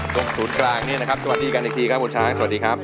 ตรงศูนย์กลางนี้นะครับสวัสดีกันอีกทีครับคุณช้างสวัสดีครับ